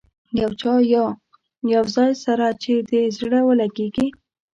یو چا یا یو ځای سره چې دې زړه ولګېږي.